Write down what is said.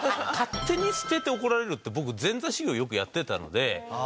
勝手に捨てて怒られるって僕前座修業をよくやってたんで。